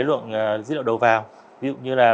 lượng dữ liệu đầu vào ví dụ như là